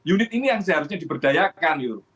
unit ini yang seharusnya diberdayakan